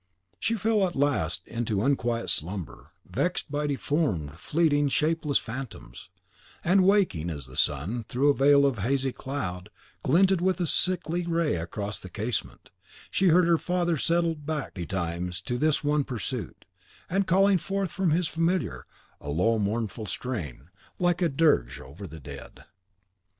She fell at last into unquiet slumber, vexed by deformed, fleeting, shapeless phantoms; and, waking, as the sun, through a veil of hazy cloud, glinted with a sickly ray across the casement, she heard her father settled back betimes to his one pursuit, and calling forth from his Familiar a low mournful strain, like a dirge over the dead.